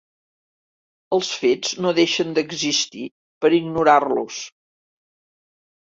Els fets no deixen d'existir per ignorar-los.